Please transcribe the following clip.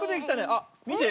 あっみて。